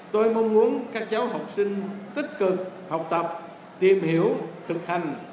tôi mong muốn các cháu học sinh tích cực học tập tìm hiểu thực hành